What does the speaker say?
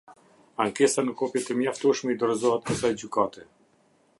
Ankesa në kopje të mjaftueshme i dorëzohet kësaj Gjykate.